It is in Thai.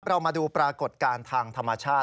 เรามาดูปรากฏการณ์ทางธรรมชาติ